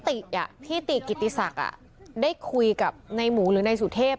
พี่ติกิติศักดิ์ได้คุยกับในหมูหรือนายสุเทพ